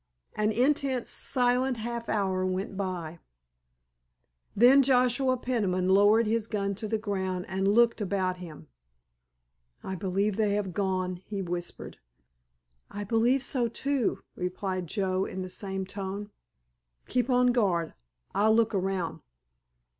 An intense, silent half hour went by. Then Joshua Peniman lowered his gun to the ground and looked about him. "I believe they have gone!" he whispered. "I believe so too!" replied Joe in the same tone. "Keep on guard. I'll look around."